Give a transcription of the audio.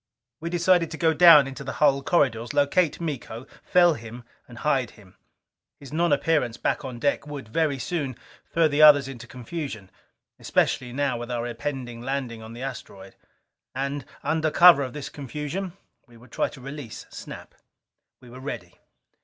We decided to go down into the hull corridors. Locate Miko. Fell him and hide him. His nonappearance back on deck would very soon throw the others into confusion, especially now with our impending landing upon the asteroid. And, under cover of this confusion, we would try to release Snap. We were ready.